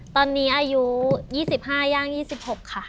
ตอนนี้อายุ๒๕ย่าง๒๖ค่ะ